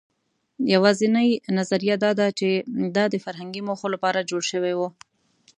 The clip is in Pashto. یواځینۍ نظریه دا ده، چې دا د فرهنګي موخو لپاره جوړ شوي وو.